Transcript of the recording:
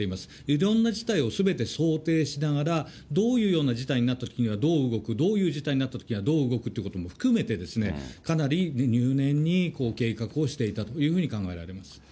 いろんな事態をすべて想定しながら、どういうような事態になったときにはどう動く、どういうような事態になったときにはどう動くってことも含めて、かなり入念に計画をしていたというふうに考えられます。